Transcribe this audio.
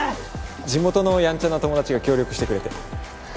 地元のやんちゃな友達が協力してくれて。